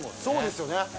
そうですよね